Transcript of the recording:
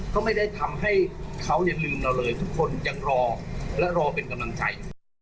ก็ไม่ได้ทำให้เขาลืมเราเลยทุกคนยังรอและรอเป็นกำลังใจ